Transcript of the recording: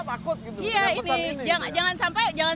takut iya ini jangan